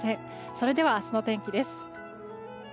それでは明日の天気です。